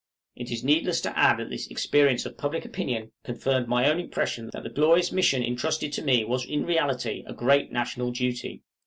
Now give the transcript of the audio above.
It is needless to add that this experience of public opinion confirmed my own impression that the glorious mission intrusted to me was in reality a great national duty.